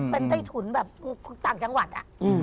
เป็นใต้ถุนแบบต่างจังหวัด